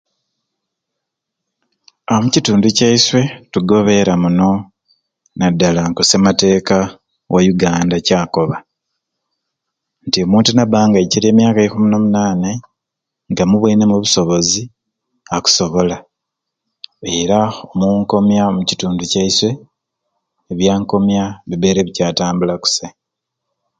Aaa omu kitundu kyaiswe tugobeera muno nadala nko ssemateeka wa Uganda kyakoba nti omuntu naba nga akyirye emyaka eikuminomunaanai nti amubwenemu obusobozi akusobola era omukomya omu kitundu kyeiswe ebyankomya bibeire bikyatambula kusai